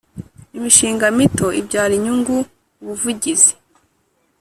Imishinga mito ibyara inyungu ubuvugizi